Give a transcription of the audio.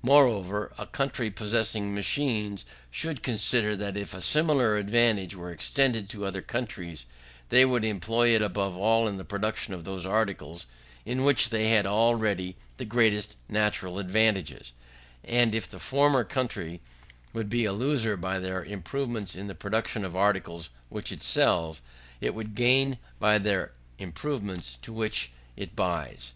Moreover, a country possessing machines should consider that if a similar advantage were extended to other countries, they would employ it above all in the production of those articles, in which they had already the greatest natural advantages; and if the former country would be a loser by their improvements in the production of articles which it sells, it would gain by their improvements in those which it buys.